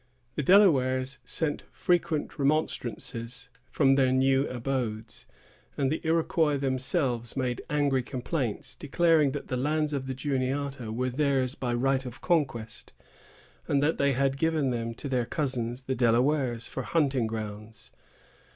The Delawares sent frequent remonstrances from their new abodes, and the Iroquois themselves made angry complaints, declaring that the lands of the Juniata were theirs by right of conquest, and that they had given them to their cousins, the Delawares, for hunting grounds.